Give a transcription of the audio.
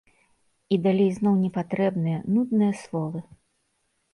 І далей зноў непатрэбныя, нудныя словы.